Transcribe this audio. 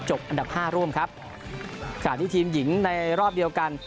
อันดับห้าร่วมครับขณะที่ทีมหญิงในรอบเดียวกัน